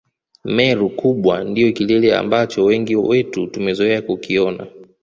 Meru kubwa ndio kilele ambacho wengi wetu tumezoea kukiona